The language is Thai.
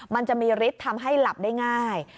มันจะมีฤทธิ์ทำให้หลับได้ง่าย